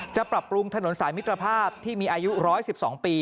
ปรับปรุงถนนสายมิตรภาพที่มีอายุ๑๑๒ปี